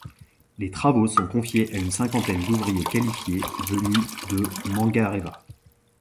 Les travaux sont confiés à une cinquantaine d'ouvriers qualifiés venus de Mangareva.